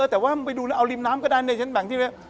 เออแต่ว่าไปดูนะเอาริมน้ำก็ได้เนี่ยฉันแบ่งที่เลย